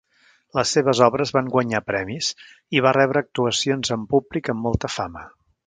Les seves obres van guanyar premis i va rebre actuacions en públic amb molta fama.